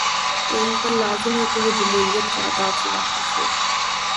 تو ان پرلازم ہے کہ وہ جمہوریت کے آداب سے واقف ہوں۔